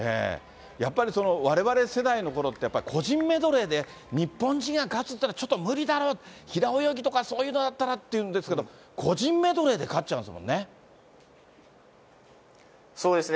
やっぱりわれわれ世代のころって、個人メドレーで日本人が勝つっていうのは、ちょっと無理だろう、平泳ぎとか、そういうのだったらっていうんですけれども、個人メドレーで勝っそうですね。